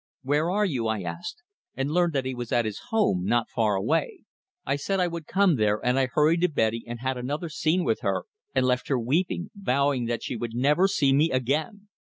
"Where are you?" I asked, and learned that he was at his home, not far away. I said I would come there, and I hurried to Betty and had another scene with her, and left her weeping, vowing that she would never see me again.